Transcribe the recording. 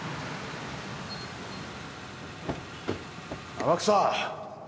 天草！